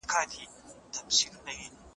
هغه مي ولید چي په ارام ذهن یې کار کاوه.